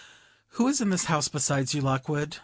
"Who is in the house besides you, Lockwood?"